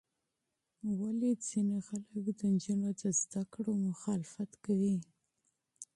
ولې ځینې خلک د نجونو د تعلیم مخالفت کوي؟